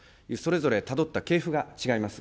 それぞれたどった系譜が違います。